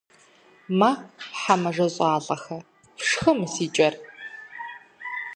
Мэ, хьэ мэжэщӀалӀэхэ, фшхы мы си кӀэр.